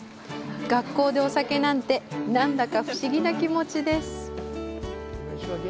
学校でお酒なんて、なんだか不思議な気持ちです！